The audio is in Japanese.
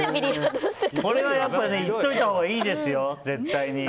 これは行っておいたほうがいいですよ絶対に。